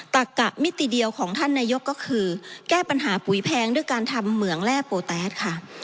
ตักกะมิติเดียวของท่านนายกก็คือแก้ปัญหาปุ๋ยแพงด้วยการทำเหมืองแร่โปแต๊สค่ะ